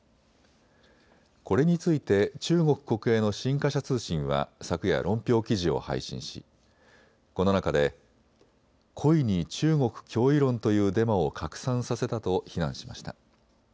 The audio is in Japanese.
これについて中国国営の新華社通信は昨夜、論評記事を配信しこの中で故意に中国脅威論というデマを拡散させたと非難しました。